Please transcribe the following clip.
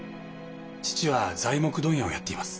父は材木問屋をやっています。